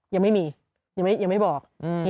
ยังไม่มียังไม่บอก